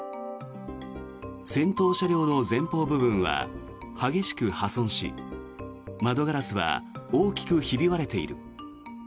先頭車両の前方部分は激しく破損し窓ガラスは大きくひび割れている。